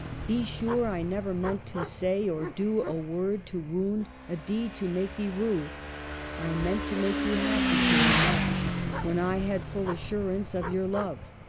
Be sure I never meant to say or do A word to wound, a deed to make thee rue. I meant to make you happy, dear, enough, When I had full assurance of your love.